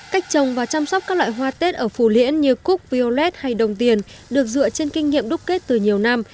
cách trồng và chăm sóc các loại hoa tết ở phù liễn như cúc piolet hay đồng tiền được dựa trên kinh nghiệm đúc kết từ nhiều năm